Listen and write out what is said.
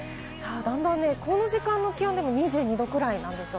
この時間の気温でも２２度くらいなんですよ。